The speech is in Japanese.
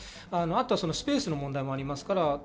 あとはスペースの問題もあります。